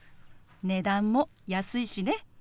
値段も安いしね。